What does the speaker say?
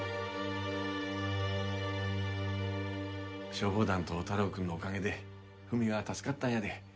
消防団と太郎くんのおかげでフミは助かったんやで。